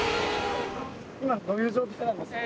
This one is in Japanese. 今。